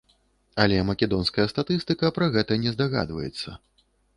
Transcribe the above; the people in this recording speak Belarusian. Але македонская статыстыка пра гэта не здагадваецца.